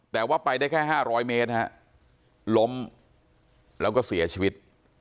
แต่ว่าไปได้แค่๕๐๐เมตรล้มแล้วก็เสียชีวิต